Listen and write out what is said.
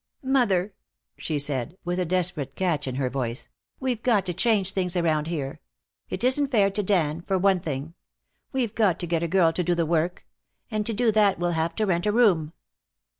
"Mother," she said, with a desperate catch in her voice, "we've got to change things around here. It isn't fair to Dan, for one thing. We've got to get a girl to do the work. And to do that we'll have to rent a room."